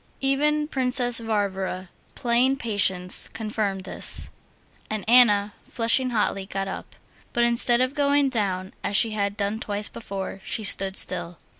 Even Princess Varvara, playing patience, confirmed this, and Anna, flushing hotly, got up; but instead of going down, as she had done twice before, she stood still.